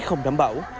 không đảm bảo